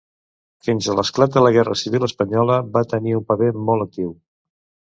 Fins a l'esclat de la guerra civil espanyola, va tenir un paper molt actiu.